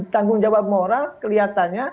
tanggung jawab moral kelihatannya